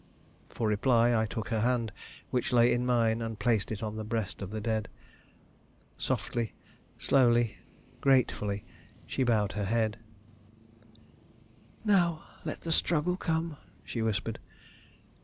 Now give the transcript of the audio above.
For reply, I took her hand, which lay in mine, and placed it on the breast of the dead. Softly, slowly, gratefully, she bowed her head. "Now let the struggle come!" she whispered.